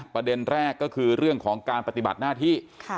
ประเด็นแรกก็คือเรื่องของการปฏิบัติหน้าที่